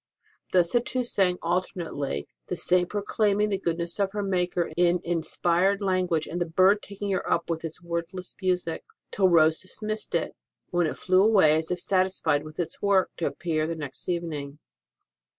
Thus the two sang alternately the Saint proclaiming the goodness of her Maker in inspired language and the bird taking her up with its wordless music, till Rose dismissed it, when it flew away as if satisfied with its work, to appear the next evening.